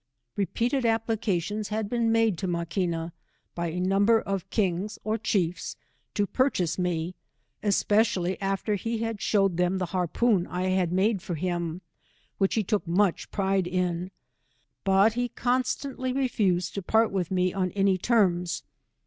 Repeated applications had been made to Maqui na, by a number of kings or chiefs, to purchase me, especially after he had shewed them the harpoon I had made for him, which he took much pride in, but he constantly refused to part with me on any terms.